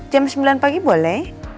jam sembilan pagi boleh